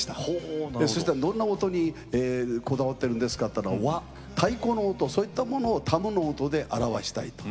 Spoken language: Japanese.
どんな音にこだわってるんですかっていったら和太鼓の音そういったものをタムの音で表したいと。